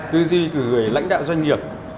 tư duy của người lãnh đạo doanh nghiệp